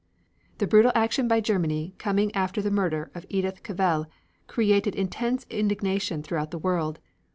This brutal action by Germany coming after the murder of Edith Cavell created intense indignation throughout the world.